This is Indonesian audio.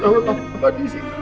tahu tahu tahu bapak disini